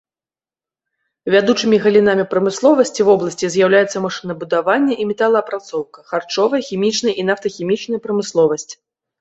Вядучымі галінамі прамысловасці вобласці з'яўляюцца машынабудаванне і металаапрацоўка, харчовая, хімічная і нафтахімічная прамысловасць.